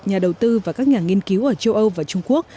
nhà đầu tư và các nhà nghiên cứu ở châu âu và trung quốc